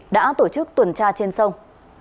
đã tổ chức tuần tra trên sông